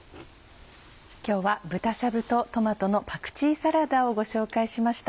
今日は「豚しゃぶとトマトのパクチーサラダ」をご紹介しました。